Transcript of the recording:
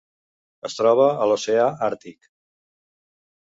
Es troba a l'Oceà Àrtic.